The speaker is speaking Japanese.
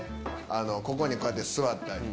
ここにこうやって座ったり。